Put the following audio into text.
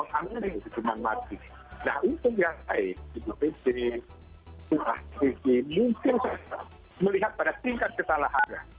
hukuman mati mungkin tersebut melihat pada tingkat kesalahannya